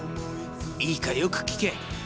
いいかよく聞け。